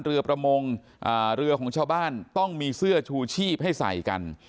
เรือประมงเรือของชาวบ้านต้องมีเสื้อชูชีพให้ใส่กัน